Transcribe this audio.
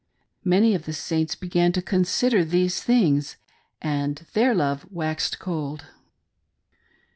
Many of the Saints began to consider these things, and their love waxed cold.